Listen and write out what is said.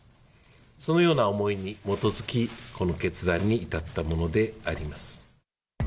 そのような思いに基づき、この決断に至ったものであります。